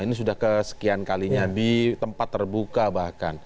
ini sudah kesekian kalinya di tempat terbuka bahkan